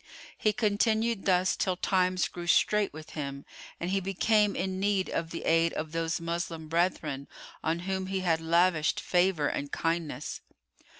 He continued thus till times grew strait with him and he became in need of the aid of those Moslem brethren on whom he had lavished favour and kindness.